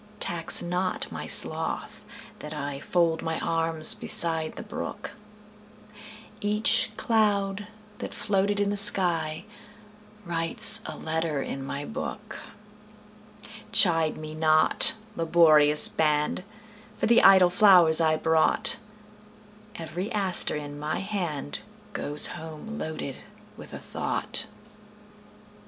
Tax not my sloth that IFold my arms beside the brook; Each cloud that floated in the skyWrites a letter in my book. Chide me not, laborious band, For the idle flowers I brought; Every aster in my handGoes home loaded with a thought.